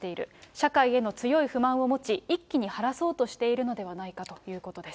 社会への強い不満を持ち、一気に晴らそうとしているのではないかということです。